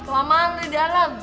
selama lo di dalam